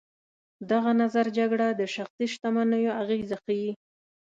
دغه نظر جګړه د شخصي شتمنیو اغېزه ښيي.